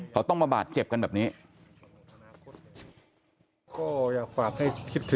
เขาต้องมาบาดเจ็บกันแบบนี้